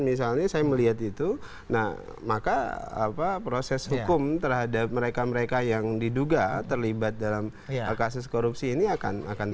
misalnya saya melihat itu nah maka proses hukum terhadap mereka mereka yang diduga terlibat dalam kasus korupsi ini akan terjadi